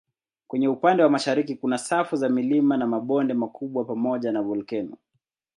Kwenye upande wa mashariki kuna safu za milima na mabonde makubwa pamoja na volkeno.